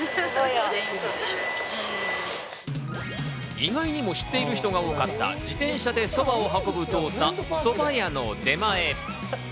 意外にも知っている人が多かった自転車でそばを運ぶ動作、そば屋の出前。